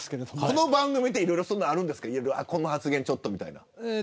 この番組であるんですかこの発言ちょっとみたいな。